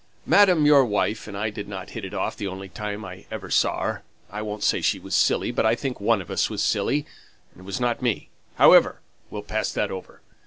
Madam your wife and I didn't hit it off the only time I ever saw her. I won't say she was silly, but I think one of us was silly, and it wasn't me. However, we'll pass that over.